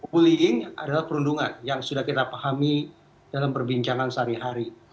bullying adalah perundungan yang sudah kita pahami dalam perbincangan sehari hari